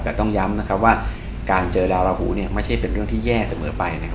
แต่ต้องย้ำนะครับว่าการเจอราฮูเนี่ยไม่ใช่เป็นเรื่องที่แย่เสมอไปนะครับ